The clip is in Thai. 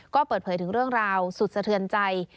ก็เปิดเผยถึงเรื่องราวสุดสะเทือนใจ